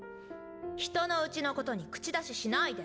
人のうちのことに口出ししないで。